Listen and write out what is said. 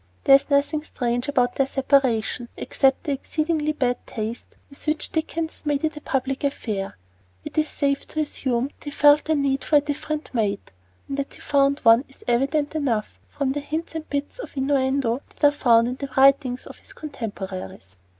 There is nothing strange about their separation, except the exceedingly bad taste with which Dickens made it a public affair. It is safe to assume that he felt the need of a different mate; and that he found one is evident enough from the hints and bits of innuendo that are found in the writings of his contemporaries.